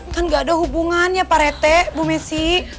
kan gak ada hubungannya pak rete bu messi